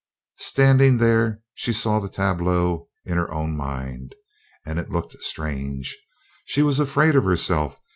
Standing there, she saw the tableau in her own mind, and it looked strange. She was afraid of herself.